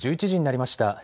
１１時になりました。